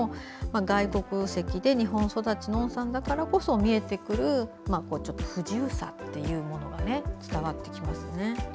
外国籍で日本育ちの温さんだからこそ見えてくる不自由さというものが伝わってきますね。